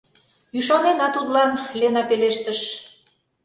Ӱшанена тудлан, — Лена пелештыш.